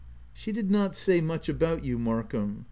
" She did not say much about you, Mark ham.